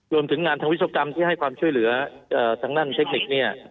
รวมถึงงานทางวิศวกรรมที่ให้ความช่วยเหลือทางด้านเทคนิคเนี่ย